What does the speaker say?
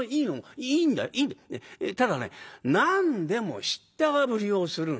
ただね何でも知ったかぶりをするんだ。